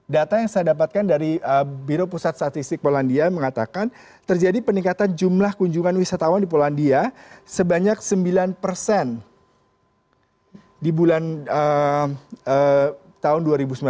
data yang saya dapatkan dari biro pusat statistik polandia mengatakan terjadi peningkatan jumlah kunjungan wisatawan di polandia sebanyak sembilan persen di bulan tahun dua ribu sembilan belas